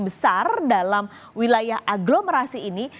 besar dalam wilayah aglomerasi ini